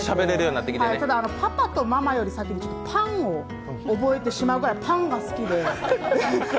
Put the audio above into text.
でも、「パパ」と「ママ」より先に「パン」を覚えてしまうぐらいパンが好きで。